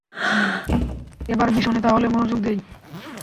এবার মিশনে তাহলে মনোযোগ দেই।